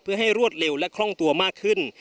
เพื่อให้รวดเร็วและคล่องตัวมากขึ้น